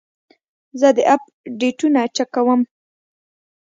زه د اپ ډیټونه چک کوم.